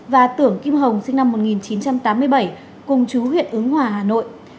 và tưởng kim hồng sinh năm một nghìn chín trăm tám mươi bảy cùng chú huyện ứng hòa hà nội